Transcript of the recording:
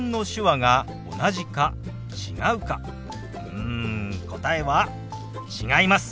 うん答えは違います。